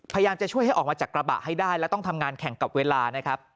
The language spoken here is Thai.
พยายามจะช่วยให้ออกมาจากกระบะให้ได้และต้องทำงานแข่งกับเวลานะครับ